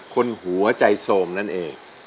คนหัวใจโสมนั่นเอง